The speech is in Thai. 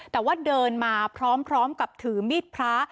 แต่ว่าเดินมาพร้อมกับถือมีดพระ